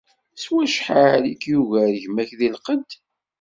S wacḥal i k-yugar gma-k di lqedd?